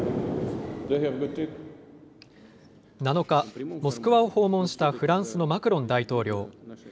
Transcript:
７日、モスクワを訪問したフランスのマクロン大統領。